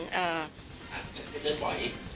อ่าจะเลือกปล่อยอีก